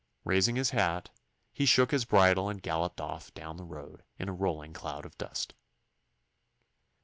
Raising his hat, he shook his bridle and galloped off down the road in a rolling cloud of dust.